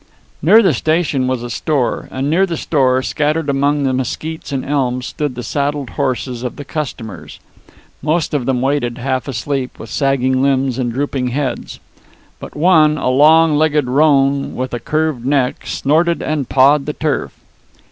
Near the station was a store; and near the store, scattered among the mesquits and elms, stood the saddled horses of the customers. Most of them waited, half asleep, with sagging limbs and drooping heads. But one, a long legged roan with a curved neck, snorted and pawed the turf.